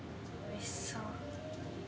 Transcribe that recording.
おいしそう。